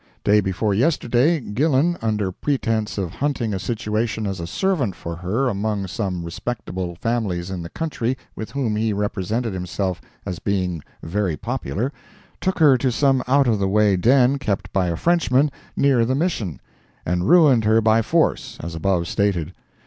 Day before yesterday, Gillan, under pretence of hunting a situation as a servant for her among some respectable families in the country with whom he represented himself as being very popular, took her to some out of the way den kept by a Frenchman, near the Mission, and ruined her by force, as above stated.